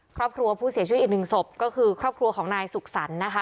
ครอบครัวผู้เสียชีวิตอีกหนึ่งศพก็คือครอบครัวของนายสุขสรรค์นะคะ